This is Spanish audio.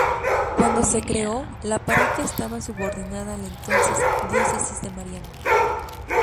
Cuando se creó, la parroquia estaba subordinada a la entonces diócesis de Mariana.